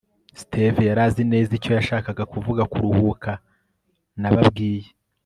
steve yari azi neza icyo yashakaga kuvuga kuruhuka. nababwiye